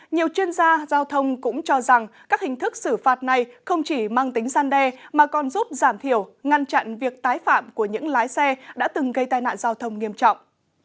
nhiều chuyên gia giao thông cũng cho rằng các hình thức xử phạt này không chỉ mang tính gian đe mà còn giúp giảm thiểu ngăn chặn việc tái phạm của những lái xe đã từng gây tai nạn giao thông nghiêm trọng